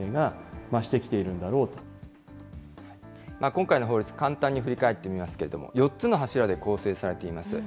今回の法律、簡単に振り返ってみますけれども、４つの柱で構成されています。